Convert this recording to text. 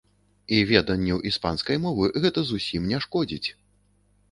І веданню іспанскай мовы гэта зусім не шкодзіць!